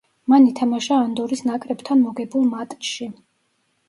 მან ითამაშა ანდორის ნაკრებთან მოგებულ მატჩში.